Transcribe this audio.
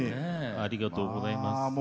ありがとうございます。